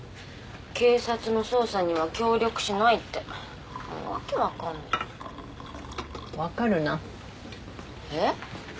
警察の捜査には協力しないってもう訳分かんない分かるなええっ？